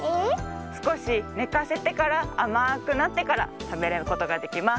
すこしねかせてからあまくなってからたべることができます。